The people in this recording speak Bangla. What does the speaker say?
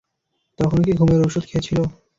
তখনও কি ঘুমের ঔষধ খেয়েছিল?